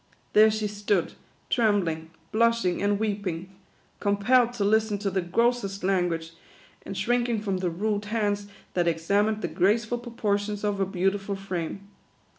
There she stood, trembling, blushing, and weeping ; compelled to listen to the grossest language, and shrinking from the rude hands that examined the graceful proportions of her beautiful frame.